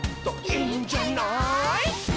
「いいんじゃない」